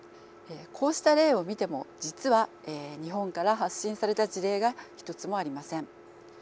こうした例を見ても実は日本から発信された事例が一つもありません。